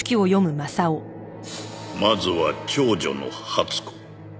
「まずは長女の初子」